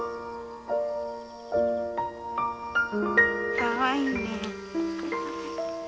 かわいいね。